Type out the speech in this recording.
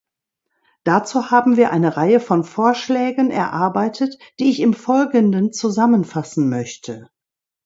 Dazu haben wir eine Reihe von Vorschlägen erarbeitet, die ich im Folgenden zusammenfassen möchte.